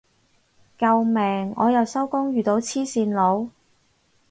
救命我又收工遇到黐線佬